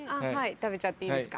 食べちゃっていいですか？